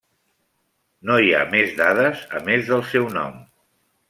No hi ha més dades a més del seu nom.